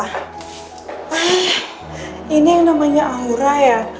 hei ini yang namanya aura ya